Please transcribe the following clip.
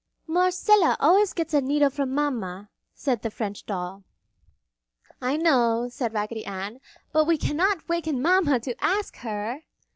"Marcella always gets a needle from Mama!" said the French Doll. "I know," said Raggedy Ann, "but we cannot waken Mama to ask her!"